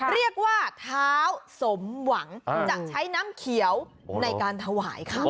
เรียกว่าเท้าสมหวังจะใช้น้ำเขียวในการถวายค่ะ